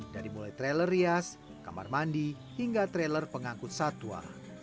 dari mulai trailer rias kamar mandi hingga trailer pengangkut satwa